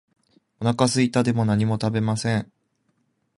お腹すいた。でも何も食べません。